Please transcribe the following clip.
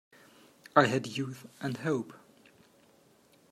I had youth and hope.